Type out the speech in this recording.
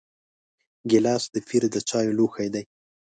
ګیلاس د پیر د چایو لوښی دی.